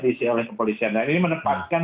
diisi oleh kepolisian dan ini menempatkan